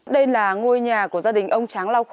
đây là ngôi nhà của gia đình ông tráng lao khô